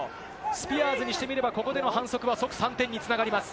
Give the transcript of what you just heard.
スピアーズにしてみれば、ここでの反則は即３点に繋がります。